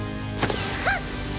「はっ！」。